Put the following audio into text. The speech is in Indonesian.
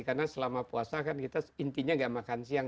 karena selama puasa kan kita intinya gak makan siang